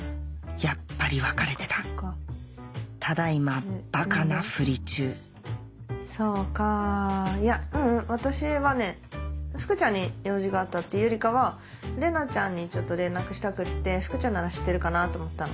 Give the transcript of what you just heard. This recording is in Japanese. やっぱり別れてたただ今バカなふり中そうかいやううん私はね福ちゃんに用事があったっていうよりかは玲奈ちゃんにちょっと連絡したくって福ちゃんなら知ってるかなと思ったの。